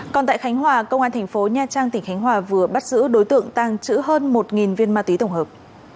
còn tại khánh hòa công an tp nha trang tỉnh khánh hòa vừa bắt giữ đối tượng tăng trữ hơn một viên ma tí tổng hợp